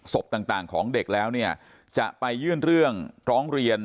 ศพต่างของเด็กแล้วเนี่ยจะไปยื่นเรื่องร้องเรียน